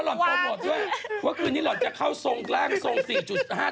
รอนตรงนี้รอนจะเข้าโซงแกร้งโซง๕๐เมื่อไหร่